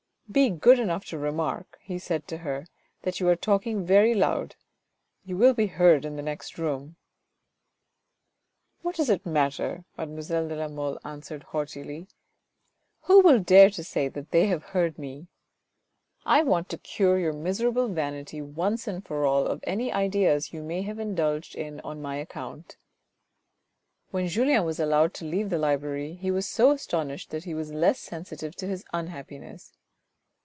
" Be good enough to remark," he said to her, " that you are talking very loud. You will be heard in the next room." "What does it matter?" mademoiselle de la Mole answered haughtily. " Who will dare to say they have heard me ? I 376 THE RED AND THE BLACK want to cure your miserable vanity once and for all of any ideas you may have indulged in on my account." When Julien was allowed to leave the library he was so astonished that he was less sensitive to his unhappiness.